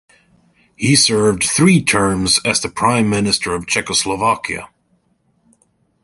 He served three terms as the prime minister of Czechoslovakia.